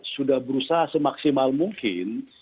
sudah berusaha semaksimal mungkin